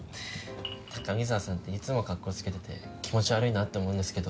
高見沢さんっていつもかっこつけてて気持ち悪いなって思うんですけど。